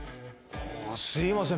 すみません